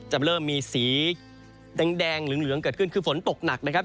จะเริ่มมีสีแดงเหลืองเกิดขึ้นคือฝนตกหนักนะครับ